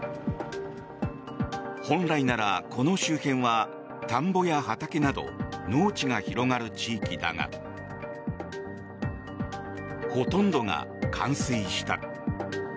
本来ならこの周辺は田んぼや畑など農地が広がる地域だがほとんどが冠水した。